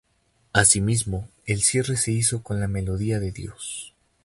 Asimismo, el cierre se hizo con "La melodía de Dios".